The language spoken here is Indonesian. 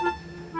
kamu mau ke rumah